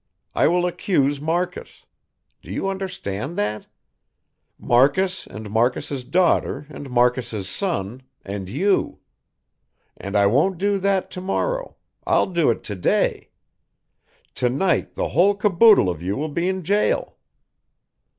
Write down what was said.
I will accuse Marcus. Do you understand that? Marcus, and Marcus' daughter, and Marcus' son, and you. And I won't do that to morrow, I'll do it to day. To night the whole caboodle of you will be in jail."